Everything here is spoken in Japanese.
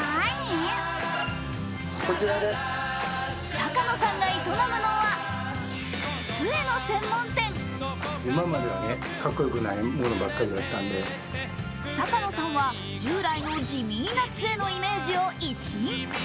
坂野さんが営むのは、つえの専門店坂野さんは従来の地味なイメージのつえを一新。